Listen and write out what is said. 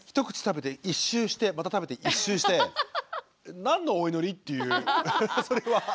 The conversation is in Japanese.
１口食べて１周してまた食べて１周して何のお祈りっていうそれは。